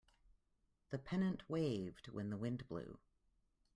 The pennant waved when the wind blew.